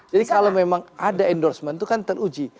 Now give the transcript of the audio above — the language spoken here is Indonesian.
jadi kalau memang ada endorsement itu kan teruji